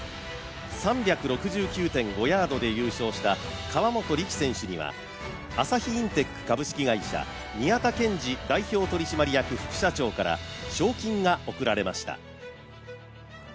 ３６９．５ヤードで優勝した河本力選手には朝日インテック株式会社宮田憲次代表取締役副社長から賞金が贈られました。